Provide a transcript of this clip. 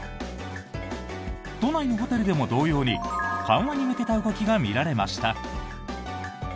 都内のホテルでも同様に緩和に向けた動きが見られました。